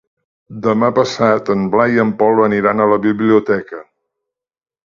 Demà passat en Blai i en Pol aniran a la biblioteca.